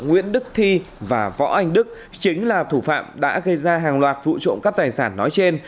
nguyễn đức thi và võ anh đức chính là thủ phạm đã gây ra hàng loạt vụ trộm cắp tài sản nói trên